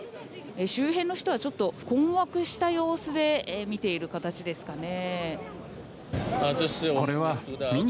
周辺の人はちょっと困惑した様子で見ている形ですかね。